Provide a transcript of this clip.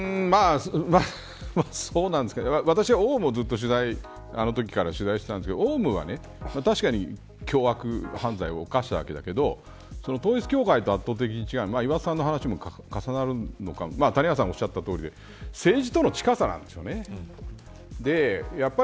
私はオウムをずっと取材していたんですけれどオウムは確かに凶悪犯罪を犯したわけだけど統一教会と圧倒的に違うのは岩田さんの話とも重なることかもしれないけど政治との近さなんですよね。